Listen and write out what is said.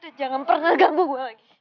dan jangan pernah ganggu gue lagi